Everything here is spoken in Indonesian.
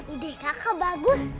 ideh kakak bagus